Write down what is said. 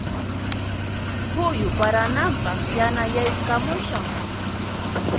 Phuyu parananpaq yanayaykamushan.